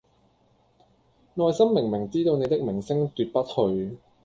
內心明明知道你的明星奪不去